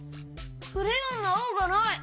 クレヨンのあおがない。